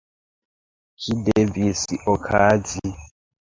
Ĝi devis okazi.